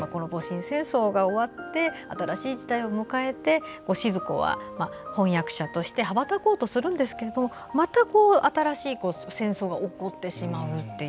戊辰戦争が終わって新しい時代を迎えて賤子は翻訳者として羽ばたこうとするんですけれどもまた新しい戦争が起こってしまう。